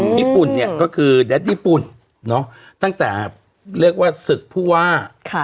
พี่ปุ่นเนี้ยก็คือเนอะตั้งแต่เรียกว่าศึกผู้ว่าค่ะ